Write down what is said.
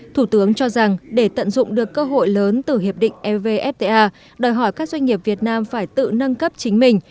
thủ tướng cho rằng để tận dụng được cơ hội lớn từ hiệp định evfta đòi hỏi các doanh nghiệp việt nam phải tự nâng cấp chính mình